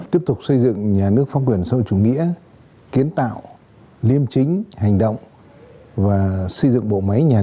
tiếp tục xây dựng nhà nước phong quyền sâu chủ nghĩa kiến tạo liêm chính hành động và xây dựng bộ máy